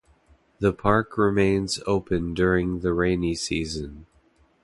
The park remains open during the rainy season.